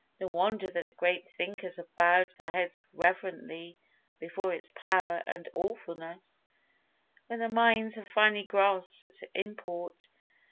No wonder that great thinkers have bowed their heads reverently before its Power and Awfulness, when their minds have finally grasped its import.